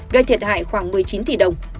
gây thiệt hại khoảng một mươi chín tỷ đồng